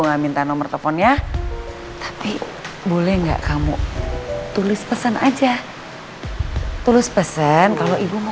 nggak minta nomor teleponnya tapi boleh nggak kamu tulis pesan aja hai tulis pesan kalau ibu mau